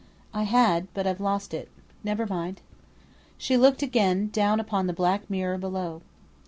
"I had, but I've lost it. Never mind." She looked again down upon the black mirror below.